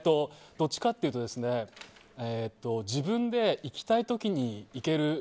どっちかというと自分で行きたい時に行ける。